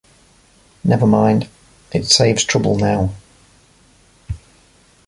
Never mind; it saves trouble now.